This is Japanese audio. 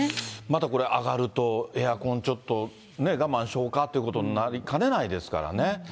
またこれ上がると、エアコンちょっと我慢しようかということになりかねないですからね。